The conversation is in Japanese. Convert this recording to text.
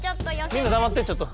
みんなだまってちょっと。